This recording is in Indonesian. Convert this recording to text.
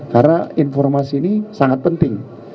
karena informasi ini sangat penting